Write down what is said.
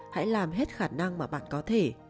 hãy làm hết khả năng mà bạn có thể